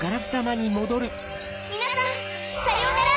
みなさんさようなら